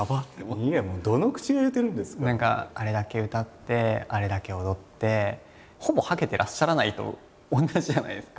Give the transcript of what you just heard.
あれだけ歌ってあれだけ踊ってほぼはけてらっしゃらないと同じじゃないですか。